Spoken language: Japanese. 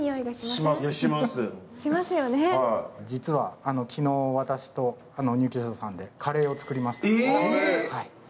実は昨日、私と入居者さんでカレーを作りました。